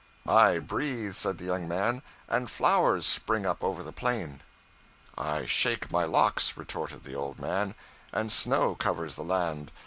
'I breathe,' said the young man, 'and flowers spring up over the plain.' 'I shake my locks,' retorted the old man, 'and snow covers the land.